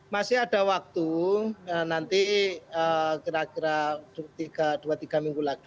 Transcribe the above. masih ada waktu nanti kira kira dua tiga minggu lagi